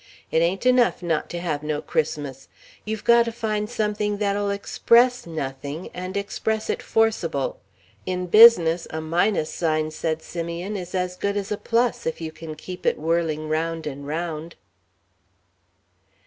It ain't enough not to have no Christmas. You've got to find something that'll express nothing, and express it forcible. In business, a minus sign," said Simeon, "is as good as a plus, if you can keep it whirling round and round."